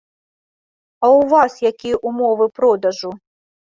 А ў вас якія ўмовы продажу?